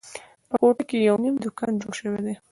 په کوټه کې یو نوی دوکان جوړ شوی ده